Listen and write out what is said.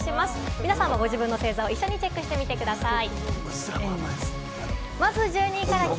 皆さんも一緒にご自身の星座をチェックしてみてください。